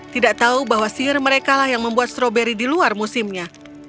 tidak tahu bahwa sihir mereka lah yang membuat stroberi di luar musimnya